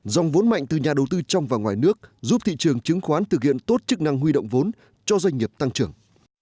dòng vốn mạnh từ nhà đầu tư trong và ngoài nước giúp thị trường chứng khoán thực hiện tốt chức năng huy động vốn cho doanh nghiệp tăng trưởng